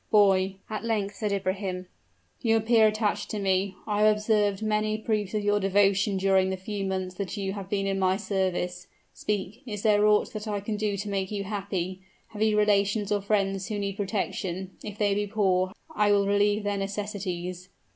"Boy," at length said Ibrahim, "you appear attached to me. I have observed many proofs of your devotion during the few months that you have been in my service. Speak is there aught that I can do to make you happy? Have you relations or friends who need protection? If they be poor, I will relieve their necessities."